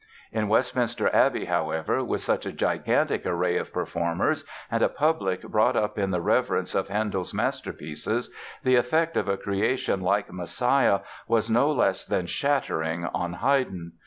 In Westminster Abbey, however, with such a gigantic array of performers and a public brought up in the reverence of Handel's masterpieces the effect of a creation like "Messiah" was no less than shattering on Haydn.